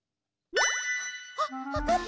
あっわかった？